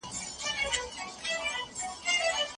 کاشکې زموږ په غوجل کې غوا وای.